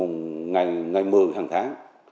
ngày một mươi hàng tháng